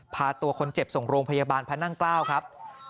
พาตัวคนเจ็บส่งโรงพยาบาลพระนั่งเกล้าครับ